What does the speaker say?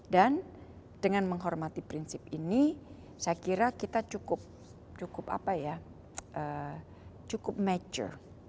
dan dengan menghormati prinsip ini saya kira kita cukup cukup apa ya cukup mature